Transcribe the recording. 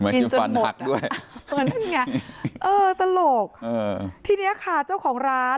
ถึงสร้างหักด้วยอ่าตลกเออที่เนี้ยค่ะเจ้าของร้าน